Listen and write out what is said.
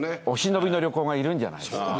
お忍びの旅行がいるんじゃないですか？